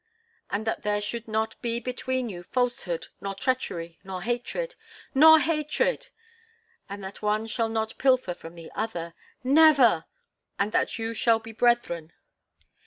"And that there should not be between you falsehood, nor treachery, nor hatred?" "Nor hatred!" "And that one shall not pilfer from the other?" "Never!" "And that you shall be brethren?"